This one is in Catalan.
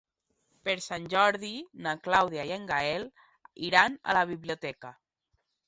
Per Sant Jordi na Clàudia i en Gaël iran a la biblioteca.